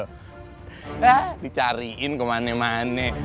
hah dicariin kemana mana